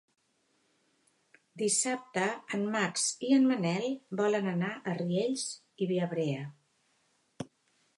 Dissabte en Max i en Manel volen anar a Riells i Viabrea.